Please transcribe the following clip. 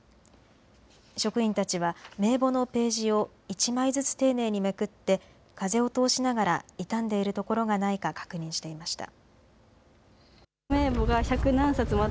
職員たちは名簿のページを１枚ずつ丁寧にめくって風を通しながら傷んでいるところがないか確認していました。